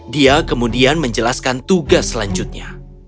dia kemudian menjelaskan tugas selanjutnya